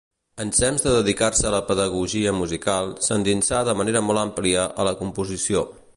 Ensems de dedicar-se a la pedagogia musical, s'endinsà de manera molt àmplia a la composició.